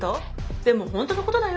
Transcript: でも本当のことだよ。